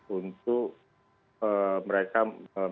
untuk mereka memenuhi